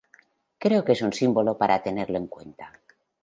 Creo que es un símbolo para tenerlo en cuenta.